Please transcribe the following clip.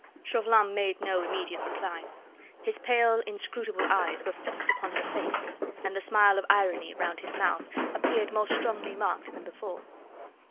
Chauvelin made no immediate reply; his pale, inscrutable eyes were fixed upon her face, and the smile of irony round his mouth appeared more strongly marked than before.